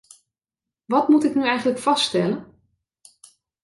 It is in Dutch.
Wat moet ik nu eigenlijk vaststellen?